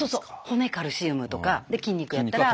骨カルシウムとか。で筋肉やったら。